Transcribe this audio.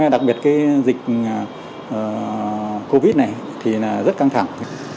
đặc biệt cái dịch covid này thì là rất căng thẳng